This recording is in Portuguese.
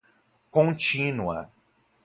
contínua